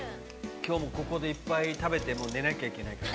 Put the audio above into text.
今日もここでいっぱい食べて寝なきゃいけないから。